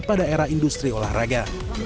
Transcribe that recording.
pada era industri olahraga